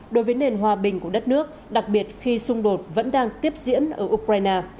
đối với nền hòa bình của đất nước đặc biệt khi xung đột vẫn đang tiếp diễn ở ukraine